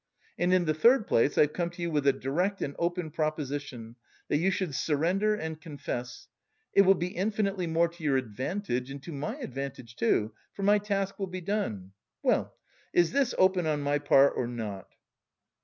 And in the third place I've come to you with a direct and open proposition that you should surrender and confess. It will be infinitely more to your advantage and to my advantage too, for my task will be done. Well, is this open on my part or not?"